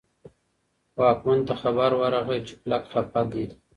واکمن ته خبر ورغی چې خلک خپه دي.